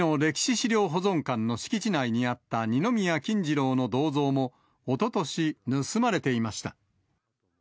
資料保存館の敷地内にあった二宮金次郎の銅像も、おととし、盗まれていました。